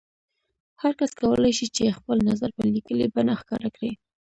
هر کس کولای شي چې خپل نظر په لیکلي بڼه ښکاره کړي.